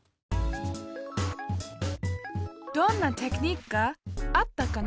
どんなテクニックがあったかな？